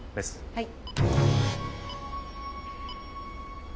はい。